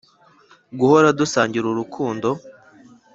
guhora dusangira urukundo